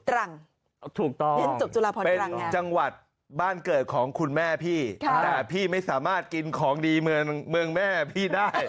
ตรังถูกต้องเป็นจังหวัดบ้านเกิดของคุณแม่พี่แต่พี่ไม่สามารถกินของดีเมืองแม่พี่ได้